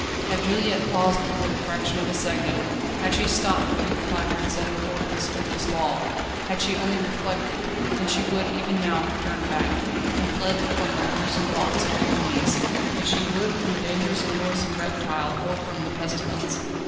Had Juliette paused but for the fraction of a second, had she stopped to read the placard setting forth this odious law, had she only reflected, then she would even now have turned back, and fled from that gruesome box of infamies, as she would from a dangerous and noisome reptile or from the pestilence.